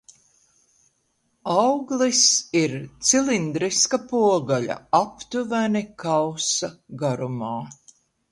Auglis ir cilindriska pogaļa aptuveni kausa garumā.